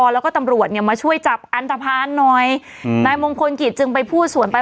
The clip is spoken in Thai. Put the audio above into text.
แล้วก็ตำรวจเนี่ยมาช่วยจับอันตภัณฑ์หน่อยอืมนายมงคลกิจจึงไปพูดสวนไป